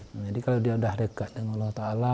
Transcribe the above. jadi kalau dia sudah dekat dengan allah ta'ala